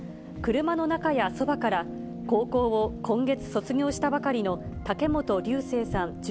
車の中やそばから、高校を今月卒業したばかりの竹本流星さん